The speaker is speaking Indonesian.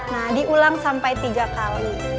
nah diulang sampai tiga kali